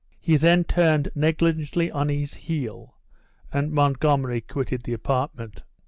He then turned negligently on his heel, and Montgomery quitted the apartment.